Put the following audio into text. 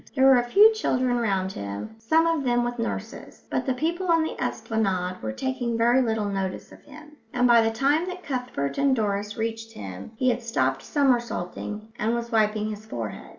There were a few children round him, some of them with nurses, but the people on the esplanade were taking very little notice of him; and by the time that Cuthbert and Doris reached him, he had stopped somersaulting and was wiping his forehead.